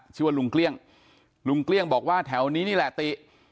ชื่อว่าลุงเกลี้ยงลุงเกลี้ยงบอกว่าแถวนี้นี่แหละติ